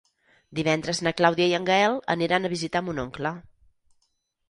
Divendres na Clàudia i en Gaël aniran a visitar mon oncle.